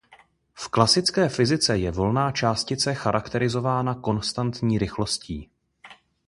V klasické fyzice je volná částice charakterizována konstantní rychlostí.